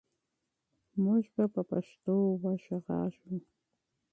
موږ به په پښتو وغږېږو.